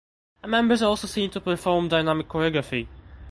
The members are also seen to perform dynamic choreography.